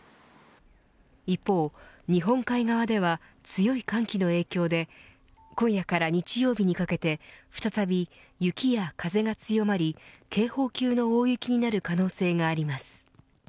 一方、日本海側では強い寒気の影響で今夜から日曜日にかけて再び雪や風が強まり警報級の大雪になる可能性があります。